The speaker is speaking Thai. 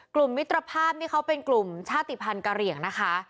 มิตรภาพนี่เขาเป็นกลุ่มชาติภัณฑ์กะเหลี่ยงนะคะ